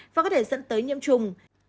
và có thể dẫn tới nhiễm trùng